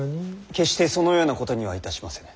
決してそのようなことにはいたしませぬ。